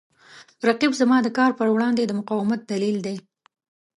رقیب زما د کار په وړاندې د مقاومت دلیل دی